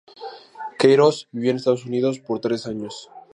Queiroz vivió en Estados Unidos por tres años.